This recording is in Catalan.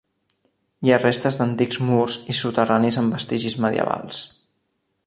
Hi ha restes d'antics murs i soterranis amb vestigis medievals.